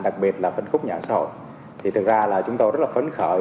đặc biệt là phân khúc nhà ở xã hội thì thực ra là chúng tôi rất là phấn khởi